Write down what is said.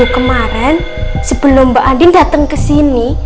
kemaren sebelum mbak andin dateng kesini